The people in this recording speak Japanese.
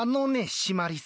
シマリス！